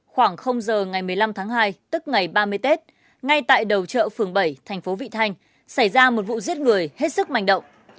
khoảng giờ ngày một mươi năm tháng hai tức ngày ba mươi tết ngay tại đầu chợ phường bảy thành phố vị thanh xảy ra một vụ giết người hết sức manh động